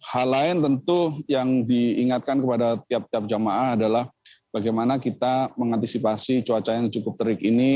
hal lain tentu yang diingatkan kepada tiap tiap jamaah adalah bagaimana kita mengantisipasi cuaca yang cukup terik ini